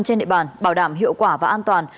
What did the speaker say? trên địa bàn bảo đảm hiệu quả và an toàn